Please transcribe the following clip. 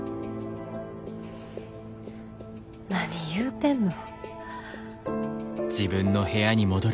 何言うてんの。